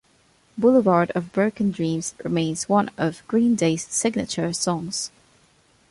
"Boulevard of Broken Dreams" remains one of Green Day's signature songs.